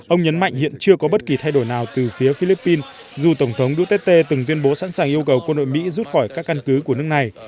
ông nhấn mạnh hiện chưa có bất kỳ thay đổi nào từ phía philippines dù tổng thống duterte từng tuyên bố sẵn sàng yêu cầu quân đội mỹ rút khỏi các căn cứ của nước này